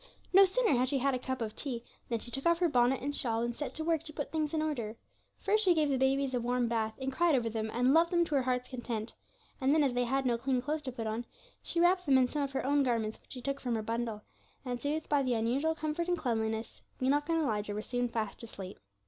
No sooner had she had a cup of tea, than she took off her bonnet and shawl, and set to work to put things in order. First, she gave the babies a warm bath, and cried over them, and loved them to her heart's content; and then, as they had no clean clothes to put on, she wrapped them in some of her own garments which she took from her bundle, and, soothed by the unusual comfort and cleanliness, Enoch and Elijah were soon fast asleep.